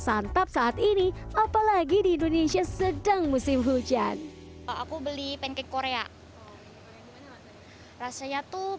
santap saat ini apalagi di indonesia sedang musim hujan aku beli pancake korea rasanya tuh